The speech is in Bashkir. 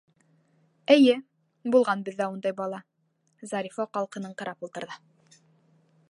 -Эйе, булған беҙҙә ундай бала.- Зарифа ҡалҡыныңҡырап ултырҙы.